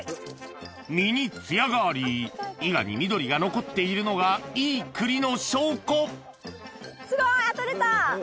実につやがありイガに緑が残っているのがいい栗の証拠すごい！あっとれた！